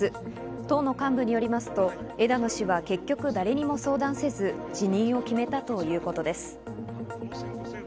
党の幹部によりますと、枝野氏は結局、誰にも相談せず辞任を決めたということです。